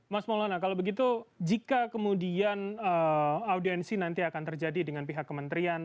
mas maulana kalau begitu jika kemudian audiensi nanti akan terjadi dengan pihak kementerian